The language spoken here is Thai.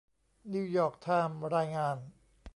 นิวยอร์กไทม์รายงาน